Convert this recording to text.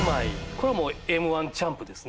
これはもう「Ｍ−１チャンプ」ですね。